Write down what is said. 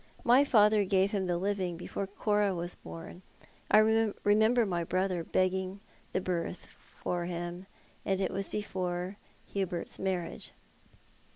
My father gave him the living before Cora was born. I remember my brother begging the berth for him, and it was before Hubert's marriage."